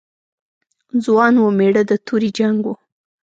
ځوان و، مېړه د تورې جنګ و.